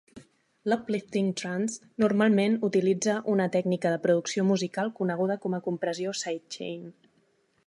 L'uplifting trance normalment utilitza una tècnica de producció musical coneguda com a compressió sidechain.